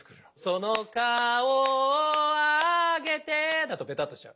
「その顔をあげて」だとベタッとしちゃう。